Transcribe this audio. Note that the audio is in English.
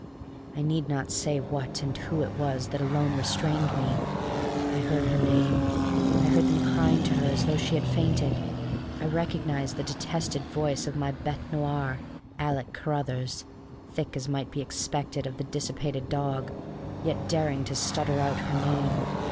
I need not say what and who it was that alone restrained me. I heard her name. I heard them crying to her as though she had fainted. I recognized the detested voice of my bête noir, Alick Carruthers, thick as might be expected of the dissipated dog, yet daring to stutter out her name.